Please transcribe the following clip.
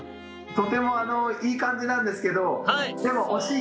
とてもいい感じなんですけどでも惜しい。